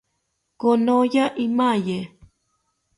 Konoya imaye